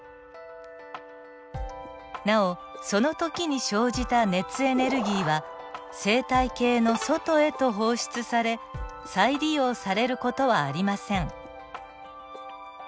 なおその時に生じた熱エネルギーは生態系の外へと放出され再利用される事はありません。